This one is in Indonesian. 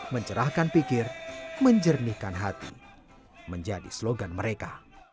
mencerahkan pikir menjernihkan hati menjadi slogan mereka